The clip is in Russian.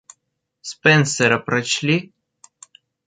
Спенсера прочли?